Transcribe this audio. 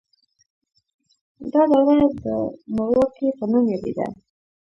دا دوره د مورواکۍ په نوم یادیده.